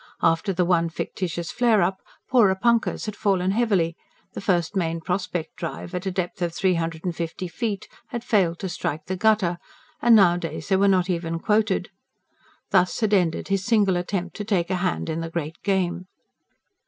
After the one fictitious flare up, "Porepunkahs" had fallen heavily the first main prospect drive, at a depth of three hundred and fifty feet, had failed to strike the gutter and nowadays they were not even quoted. Thus had ended his single attempt to take a hand in the great game.